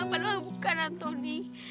padahal bukan antoni